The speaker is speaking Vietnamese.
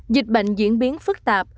dịch bệnh diễn biến phức tạp